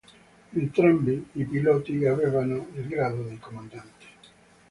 Entrambi i piloti avevano il grado di comandante.